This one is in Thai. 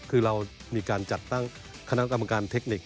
คือเรามีการจัดตั้งคณะกรรมการเทคนิค